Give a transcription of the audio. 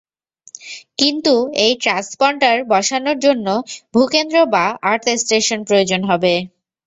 কিন্তু এই ট্রান্সপন্ডার বসানোর জন্য ভূকেন্দ্র বা আর্থস্টেশন প্রয়োজন হবে।